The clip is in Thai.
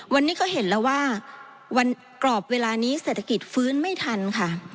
วันนี้ก็เห็นแล้วว่าวันกรอบเวลานี้เศรษฐกิจฟื้นไม่ทันค่ะ